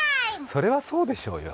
それはそうでしょうよ。